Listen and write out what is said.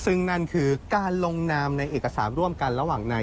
ซึ่งนั่นคือการลงนามในเอกสารร่วมกันระหว่างนาย